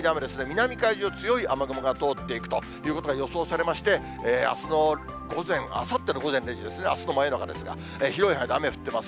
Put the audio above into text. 南海上、強い雨雲が通っていくことが予想されまして、あすの午前、あさっての午前０時ですね、あすの真夜中ですが、広い範囲で雨が降ってます。